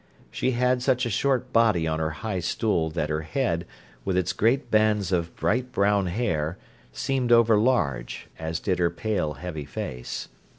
She had such a short body on her high stool that her head, with its great bands of bright brown hair, seemed over large, as did her pale, heavy face.